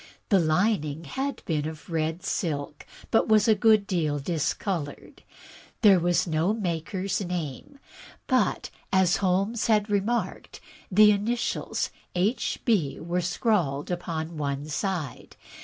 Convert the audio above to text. The lining had been of red silk, but was a good deal discolored. There was no maker's name; but, as Holmes had remarked, the initials "H. B." were scrawled upon one side.